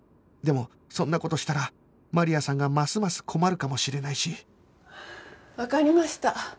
でもそんな事したらマリアさんがますます困るかもしれないしわかりました。